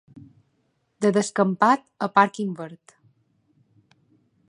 De descampat a pàrquing verd.